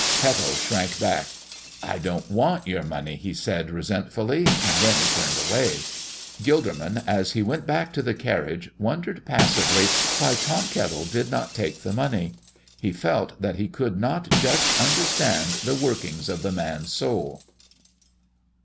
Kettle shrank back. "I don't want your money," he said, resentfully, and then he turned away. Gilderman, as he went back to the carriage, wondered passively why Tom Kettle did not take the money. He felt that he could not just understand the workings of the man's soul.